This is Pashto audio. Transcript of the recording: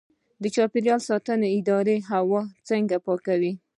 د چاپیریال ساتنې اداره هوا څنګه پاکوي؟